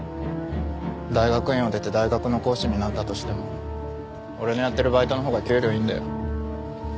大学院を出て大学の講師になったとしても俺のやってるバイトのほうが給料いいんだよ。